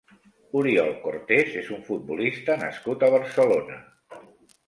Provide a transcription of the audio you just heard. Oriol Cortes és un futbolista nascut a Barcelona.